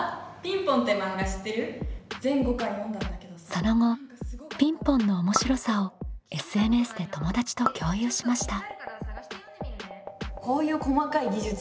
その後「ピンポン」の面白さをＳＮＳで友達と共有しました。